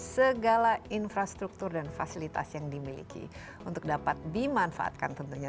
segala infrastruktur dan fasilitas yang dimiliki untuk dapat dimanfaatkan tentunya